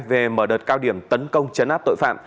về mở đợt cao điểm tấn công chấn áp tội phạm